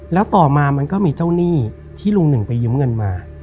แล้วต่อมามันก็มีเจ้าหนี้ที่ลุงหนึ่งไปยืมเงินมา